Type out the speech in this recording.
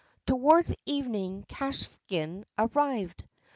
Towards evening Kvashin arrived.